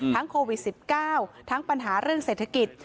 โควิด๑๙ทั้งปัญหาเรื่องเศรษฐกิจ